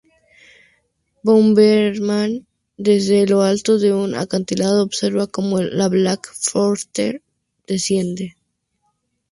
Bomberman, desde lo alto de un acantilado, observa como la Black Fortress desciende.